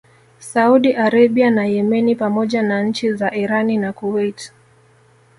Saudi Arabia na Yemeni pamoja na nchi za Irani na Kuwait